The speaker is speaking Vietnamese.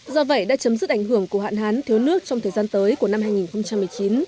do vậy đã chấm dứt ảnh hưởng của hạn hán thiếu nước trong thời gian tới của năm hai nghìn một mươi chín